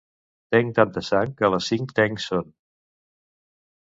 Tenc tanta sang que a les cinc tenc son